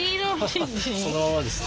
そのままですね。